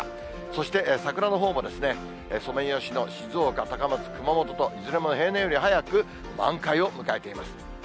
そして、桜のほうもソメイヨシノ、静岡、高松、熊本と、いずれも平年より早く満開を迎えています。